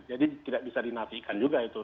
jadi tidak bisa dinafikan juga itu